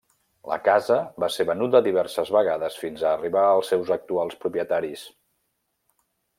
La casa va ser venuda diverses vegades fins a arribar als seus actuals propietaris.